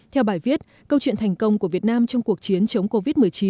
theo bài viết câu chuyện thành công của việt nam trong cuộc chiến chống covid một mươi chín